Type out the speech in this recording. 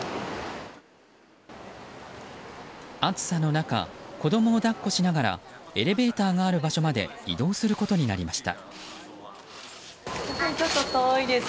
暑さの中子供を抱っこしながらエレベーターがある場所まで移動することになりました。